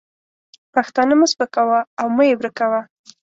پښتانه مه سپکوه او مه یې ورکوه.